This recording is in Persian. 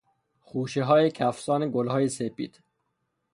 خوشههای کفسان گلهای سپید